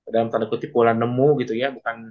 dalam tanda kutip bola nemu gitu ya